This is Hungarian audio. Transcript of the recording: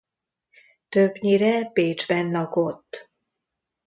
Többnyire Bécsben lakott.